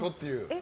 え？